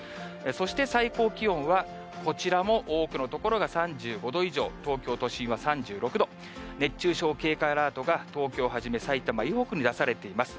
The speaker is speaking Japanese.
そして最高気温は、こちらも多くの所が３５度以上、東京都心は３６度、熱中症警戒アラートが、東京はじめ埼玉以北に出されています。